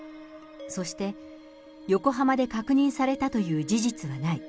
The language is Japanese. そして、横浜で確認されたという事実はない。